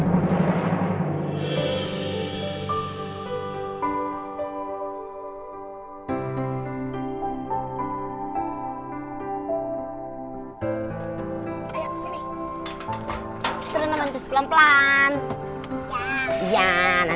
terus menempat pelan pelan